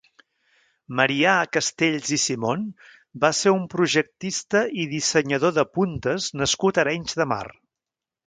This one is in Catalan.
Marià Castells i Simón va ser un projectista i dissenyador de puntes nascut a Arenys de Mar.